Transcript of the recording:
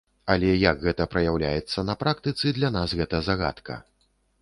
Але як гэта праяўляецца на практыцы, для нас гэта загадка.